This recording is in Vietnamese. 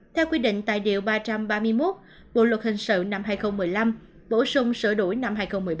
theo quy định tại điều ba trăm ba mươi một bộ luật hình sự năm hai nghìn một mươi năm bổ sung sửa đổi năm hai nghìn một mươi bốn